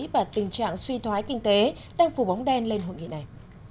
và tình trạng suy thoái kinh tế đang phủ bóng đen lên hội nghị này